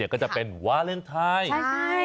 ก็จะเป็นเวลาเรื่องไทย